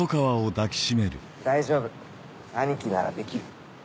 大丈夫アニキならできる。